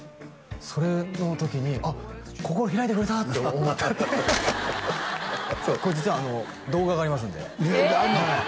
それの時にあっ心を開いてくれた！って思ったってそうこれ実は動画がありますんでええあるの？